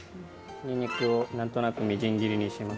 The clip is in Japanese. にんにくをなんとなくみじん切りにします。